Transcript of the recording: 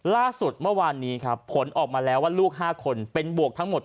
ล่าสุดเมื่อวานนี้ครับผลออกมาแล้วว่าลูก๕คนเป็นบวกทั้งหมด